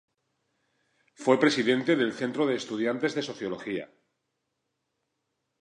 Fue presidente del Centro de Estudiantes de Sociología.